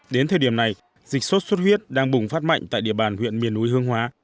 đến thời điểm này dịch sốt xuất huyết đang bùng phát mạnh tại địa bàn huyện miền núi hương hóa